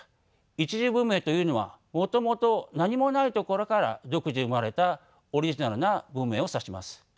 一次文明というのはもともと何もないところから独自に生まれたオリジナルな文明を指します。